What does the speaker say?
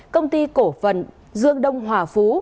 công ty cổ phần dương đông hòa phú